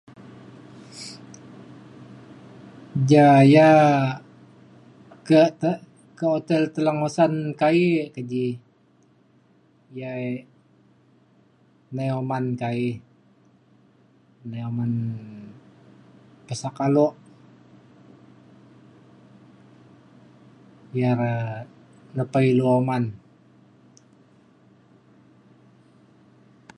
ja yak ke te kak hotel Telang Usan ka’i yak ke ji yai nai uman ka’i nai uman pesak alok. ya re lepa ilu uman.